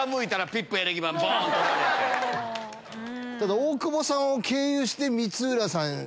大久保さんを経由して光浦さん。